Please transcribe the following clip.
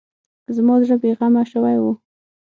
زما زړه بې غمه شوی و.